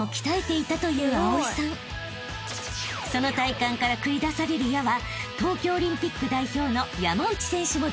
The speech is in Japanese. ［その体幹から繰り出される矢は］